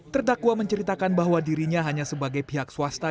terdakwa menceritakan bahwa dirinya hanya sebagai pihak swasta